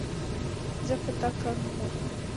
زه په تا کار نه لرم،